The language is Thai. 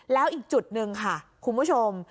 แล้วอีกจุดหนึ่งค่ะคุณผู้ชม